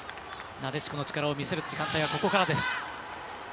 なでしこの力を見せる時間帯はここからです。